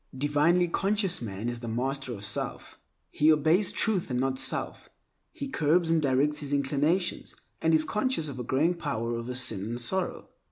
Divinely conscious man is the master of self. He obeys Truth and not self. He curbs and directs his inclinations and is conscious of a growing power over sin and sorrow.